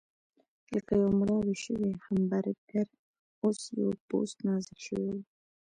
لکه یو مړاوی شوی همبرګر، اوس یې پوست نازک شوی و.